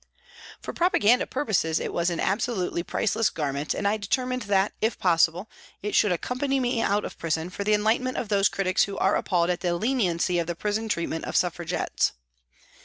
For propaganda pur poses it was an absolutely priceless garment and I determined that, if possible, it should accompany me out of prison, for the enlightenment of those critics who are appalled at the leniency of the prison treatment of Suffragettes.